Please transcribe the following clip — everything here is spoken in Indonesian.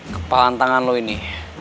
kepalan tangan lu ini